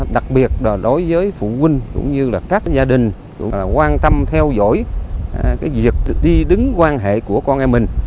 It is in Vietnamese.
đặc biệt đối với phụ huynh các gia đình quan tâm theo dõi việc đi đứng quan hệ của con em mình